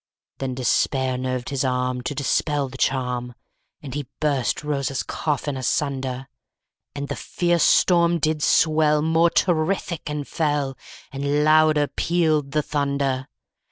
_75 14. Then despair nerved his arm To dispel the charm, And he burst Rosa's coffin asunder. And the fierce storm did swell More terrific and fell, _80 And louder pealed the thunder.